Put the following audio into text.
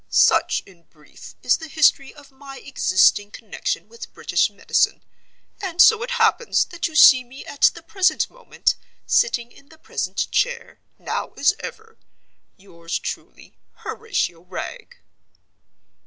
Such, in brief, is the history of my existing connection with British Medicine; and so it happens that you see me at the present moment sitting in the present chair, now as ever, yours truly, Horatio Wragge."